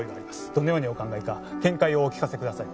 どのようにお考えか見解をお聞かせください